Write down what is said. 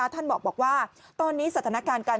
ท่านบอกว่าตอนนี้สถานการณ์การ